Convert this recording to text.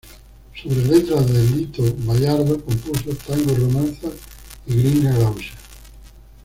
Sobre letras de Lito Bayardo compuso "Tango romanza" y "Gringa gaucha".